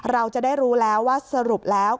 เราจะได้รู้แล้วว่าสรุปแล้ว